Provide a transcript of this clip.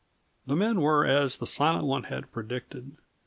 The men were as the Silent One had predicted.